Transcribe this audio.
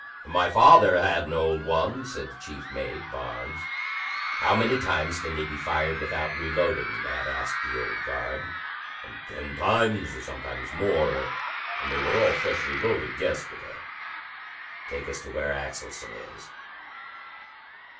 "My father had an old one," said the chief mate, Barnes. "How many times can they be fired without reloading?" Nat asked the old guard. "Ten times; sometimes more; and they were all freshly loaded yesterday." "Take us to where Axelson is."